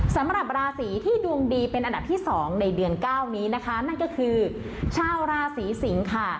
สำหรับราศีที่ดวงดีเป็นอันดับที่๒ในเดือน๙นี้นะคะนั่นก็คือชาวราศีสิงค่ะ